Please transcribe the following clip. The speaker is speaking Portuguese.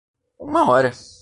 Uma hora.